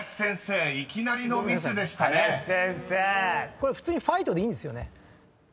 これ普通に「ｆｉｇｈｔ」でいいんですよね？